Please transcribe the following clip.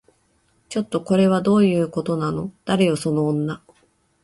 ちょっと、これはどういうことなの？誰よその女